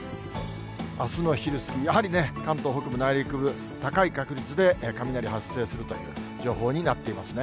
あすの昼過ぎ、やはりね、関東北部、内陸部高い確率で雷発生するという情報になっていますね。